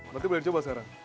berarti boleh dicoba sekarang